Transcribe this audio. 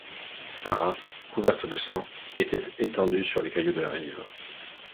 Sarah, couverte de sang, était étendue sur les cailloux de la rive.